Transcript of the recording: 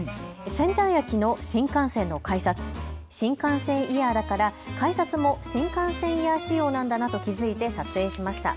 仙台駅の新幹線の改札、新幹線イヤーだから改札も新幹線イヤー仕様なんだなと気付いて撮影しました。